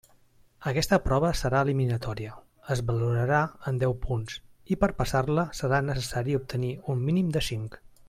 Aquesta prova serà eliminatòria, es valorarà en deu punts i per passar-la serà necessari obtenir un mínim de cinc.